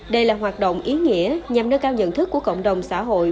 đây là hoạt động ý nghĩa nhằm nâng cao nhận thức của cộng đồng xã hội